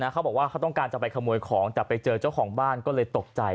เขาบอกว่าเขาต้องการจะไปขโมยของแต่ไปเจอเจ้าของบ้านก็เลยตกใจ